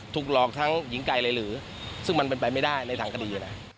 ถูกหลอกทั้งหญิงไก่เลยหรือซึ่งมันเป็นไปไม่ได้ในทางคดีนะ